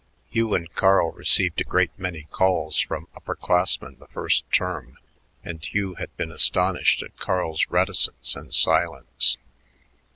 Hugh and Carl received a great many calls from upper classmen the first term, and Hugh had been astonished at Carl's reticence and silence.